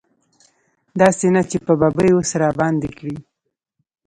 داسې نه چې په ببۍ اوس راباندې کړي.